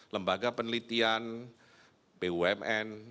lembaga penelitian pumn